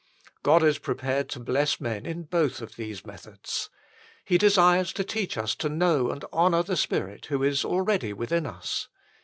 God is prepared to bless men in both of these methods. He desires to teach us to know and honour the Spirit who is already within us.